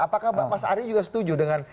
apakah mas ari juga setuju dengan